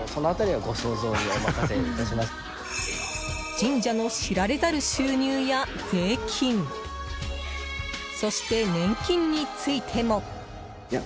神社の知られざる収入や税金そして、年金についても。